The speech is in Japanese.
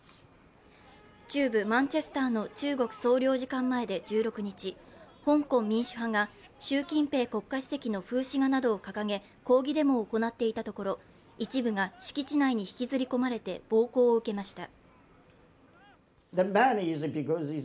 中部マンチェスターの中国総領事館前で１６日香港民主派が習近平国家主席の風刺画などを掲げ抗議デモを行っていたところ一部が敷地内に引きずり込まれて暴行を受けました。